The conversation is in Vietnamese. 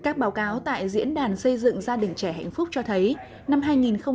chủ tịch truyền thông xây dựng gia đình trẻ hạnh phúc chủ đề chạm vào yêu thương